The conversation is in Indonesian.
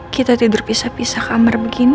kita tidur pisah pisah kamar begini